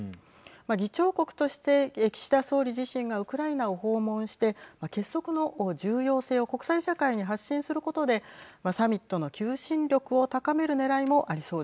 議長国として岸田総理自身がウクライナを訪問して結束の重要性を国際社会に発信することでサミットの求心力をはい。